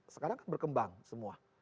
sekarang kan berkembang semua